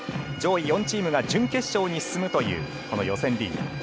上位４チームが準決勝に進むというこの予選リーグ。